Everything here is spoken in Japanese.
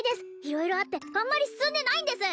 色々あってあんまり進んでないんです